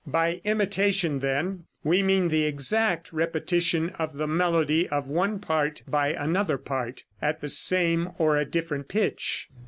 By "imitation," then, we mean the exact repetition of the melody of one part by another part, at the same or a different pitch.